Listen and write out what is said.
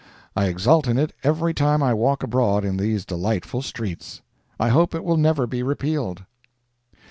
I exult in it every time I walk abroad in these delightful streets. I hope it will never be repealed.